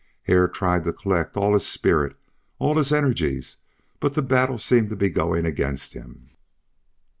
Hare tried to collect all his spirit, all his energies, but the battle seemed to be going against him.